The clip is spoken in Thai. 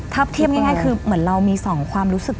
ถ้าเทียบง่ายคือเหมือนเรามี๒ความรู้สึก